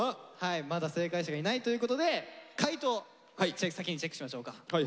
まだ正解者がいないということで解答先にチェックしましょうか。